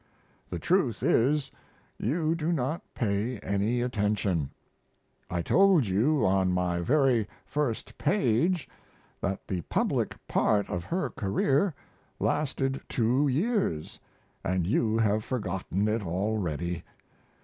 The truth is you do not pay any attention; I told you on my very first page that the public part of her career lasted two years, & you have forgotten it already.